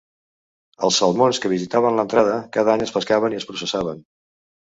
Els salmons que visitaven l'entrada cada any es pescaven i es processaven.